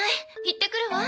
行ってくるわ。